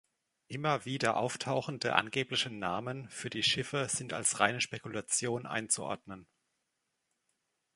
Immer wieder auftauchende angebliche Namen für die Schiffe sind als reine Spekulation einzuordnen.